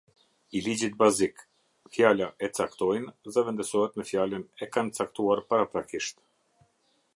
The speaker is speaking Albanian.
I ligjit bazik, fjala “e caktojnë” zëvendësohet me fjalën “e kanë caktuar paraprakisht”.